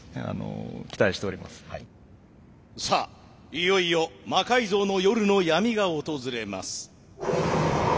いよいよ「魔改造の夜」の闇が訪れます。